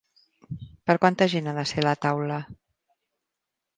Per quanta gent ha de ser la taula?